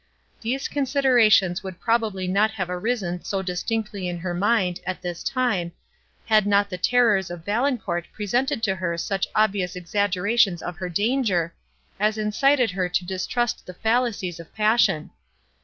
These considerations would probably not have arisen so distinctly to her mind, at this time, had not the terrors of Valancourt presented to her such obvious exaggerations of her danger, as incited her to distrust the fallacies of passion.